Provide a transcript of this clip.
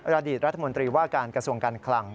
อดีตรัฐมนตรีว่าการกระทรวงการคลัง